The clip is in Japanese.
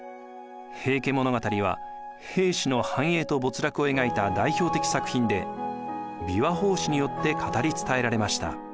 「平家物語」は平氏の繁栄と没落を描いた代表的作品で琵琶法師によって語り伝えられました。